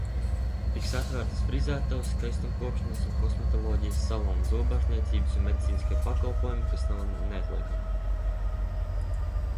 Tiks atvērtas frizētavas, skaistumkopšanas un kosmetoloģijas saloni, zobārstniecības un medicīniskie pakalpojumi, kas nav neatliekami.